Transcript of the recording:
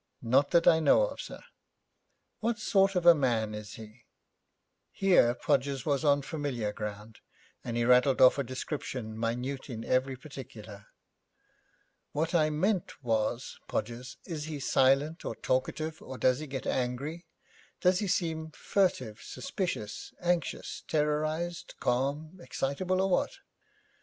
'Not that I know of, sir.' 'What sort of a man is he?' Here Podgers was on familiar ground, and he rattled off a description minute in every particular. 'What I meant was, Podgers, is he silent, or talkative, or does he get angry? Does he seem furtive, suspicious, anxious, terrorised, calm, excitable, or what?'